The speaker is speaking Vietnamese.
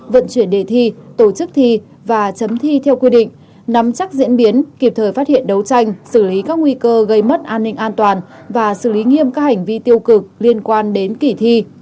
vận chuyển đề thi tổ chức thi và chấm thi theo quy định nắm chắc diễn biến kịp thời phát hiện đấu tranh xử lý các nguy cơ gây mất an ninh an toàn và xử lý nghiêm các hành vi tiêu cực liên quan đến kỳ thi